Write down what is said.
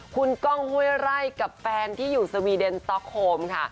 คุณก้องห้วยไร่กับแฟนที่อยู่สวีเดนสต๊อกโฮมค่ะ